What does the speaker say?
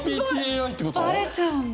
バレちゃうんだ。